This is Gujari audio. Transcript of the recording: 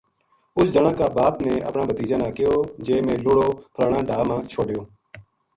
اس جنا کا باپ نے اپنا بھتیجا نا کہیو جے میں لُڑو پھلاناڈھاراما چھوڈیو